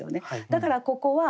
だからここは。